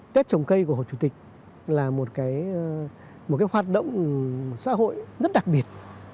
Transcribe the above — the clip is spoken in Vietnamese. tết trồng cây của hồ chủ tịch là một hoạt động xã hội rất đặc biệt